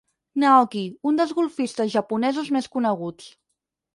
N'Aoki, un dels golfistes japonesos més coneguts.